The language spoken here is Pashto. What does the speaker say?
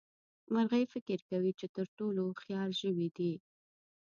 مرغۍ فکر کوي چې تر ټولو هوښيار ژوي دي.